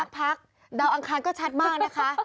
พักดาวอังคารก็ชัดมากนะคะ